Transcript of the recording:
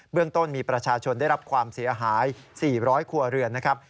เรื่องต้นมีประชาชนได้รับความเสียหาย๔๐๐ครัวเรือนนะครับ